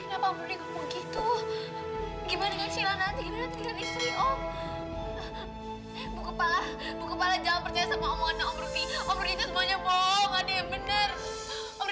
itu sudah benar